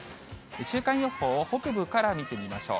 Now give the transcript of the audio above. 週間予報を北部から見てみましょう。